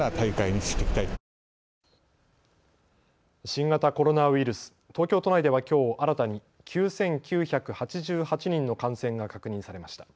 新型コロナウイルス、東京都内ではきょう新たに９９８８人の感染が確認されました。